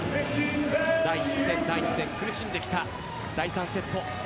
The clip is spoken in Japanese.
第１戦、第２戦苦しんできた第３セット。